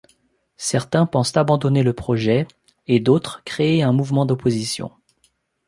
Certains pensent abandonner le projet et d'autres créer un mouvement d'opposition.